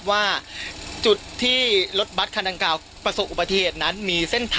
คนขับรถบัสเนี่ยก็ได้ขับทางนี้นะฮะ